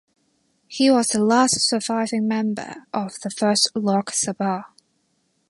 He was the last surviving member of the First Lok Sabha.